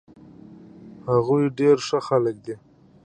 هغوي ډير ښه خلک دي